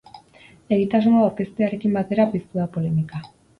Egitasmoa aurkeztearekin batera piztu da polemika.